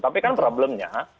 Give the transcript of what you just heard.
tapi kan problemnya